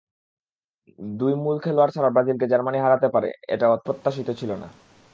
দুই মূল খেলোয়াড় ছাড়া ব্রাজিলকে জার্মানি হারাতে পারে, এটা অপ্রত্যাশিত ছিল না।